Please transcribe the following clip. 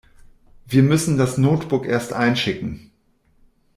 Wir müssten das Notebook erst einschicken.